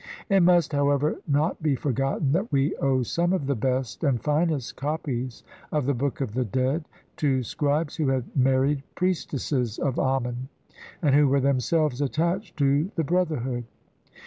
It must, however, not be forgotten that we owe some of the best and finest copies of the Book of the Dead to scribes who had married priestesses of Amen, and who were themselves attached to the brotherhood.